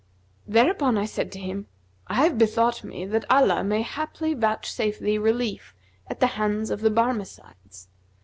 Thereupon I said to him, 'I have bethought me that Allah may haply vouchsafe thee relief at the hands of the Barmecides.